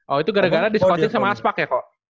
oh itu gara gara diskotin sama aspak ya koko